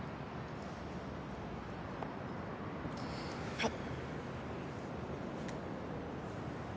はい。